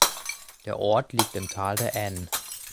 Der Ort liegt im Tal der Aisne.